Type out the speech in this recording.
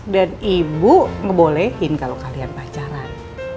dan ibu ngebolehin kalau kalian pacaran